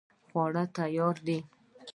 خواړه تیار دي